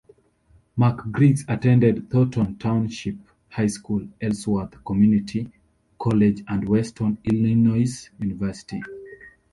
McGriggs attended Thornton Township High School, Ellsworth Community College and Western Illinois University.